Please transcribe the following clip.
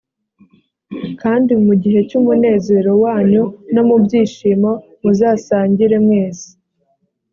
kandi mu gihe cy’umunezero wanyu no mu byishimo muzasangire mwese.